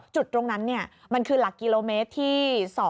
จุดตรงนั้นมันคือหลักกิโลเมตรที่๒